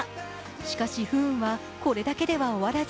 しかし、不運はこれだけでは終わらず。